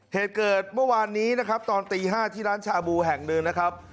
เหตุเกิดเมื่อวานนี้นะครับตอนตี๕ที่ร้านชาบูแห่งหนึ่งนะครับ